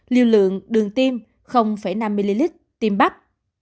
liều lượng đường tiêm năm ml tiêm bắp